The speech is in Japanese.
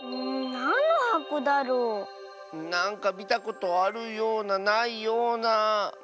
なんのはこだろう？なんかみたことあるようなないような。